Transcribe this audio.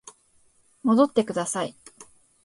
戻ってください